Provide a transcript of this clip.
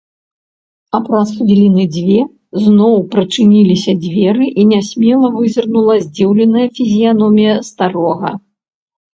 А праз хвіліны дзве зноў прачыніліся дзверы і нясмела вызірнула здзіўленая фізіяномія старога.